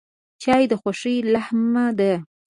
چای د خوښۍ لمحه ده.